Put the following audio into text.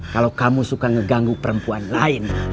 kalau kamu suka ngeganggu perempuan lain